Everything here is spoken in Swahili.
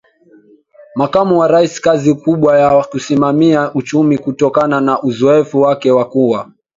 Makamu wa Rais kazi kubwa ya kusimamia uchumiKutokana na uzoefu wake wa kuwa